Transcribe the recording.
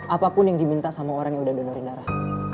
apapun yang diminta sama orang yang udah donorin darah